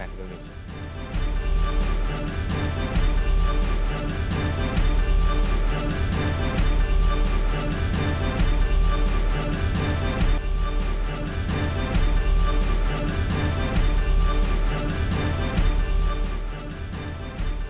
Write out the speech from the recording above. kami akan segera kembali tetap bersama kami di breaking news cnn